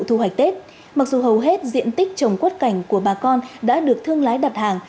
tại thành phố hội tết mặc dù hầu hết diện tích trồng quốc cảnh của bà con đã được thương lái đặt hàng